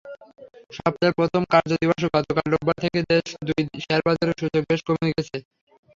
সপ্তাহের প্রথম কার্যদিবসে গতকাল রোববার দেশের দুই শেয়ারবাজারে সূচক বেশ কমে গেছে।